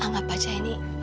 anggap aja ini